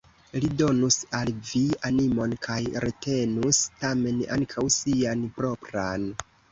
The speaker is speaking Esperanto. Li donus al vi animon kaj retenus tamen ankaŭ sian propran.